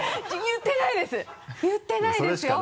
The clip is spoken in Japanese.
言ってないです。